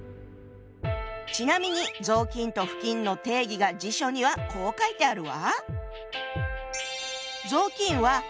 ちなみに「雑巾」と「布巾」の定義が辞書にはこう書いてあるわ。